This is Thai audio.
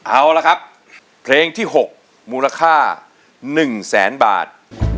เอาละครับเพลงที่๖มูลค่า๑แสนบาท